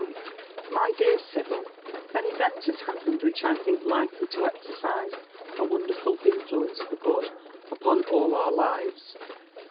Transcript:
My Dear Sibyl, '* An event has happened which I think likely to exercise a wonderful influence for good upon all our lives.